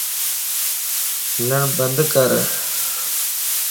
کلن بند ڪر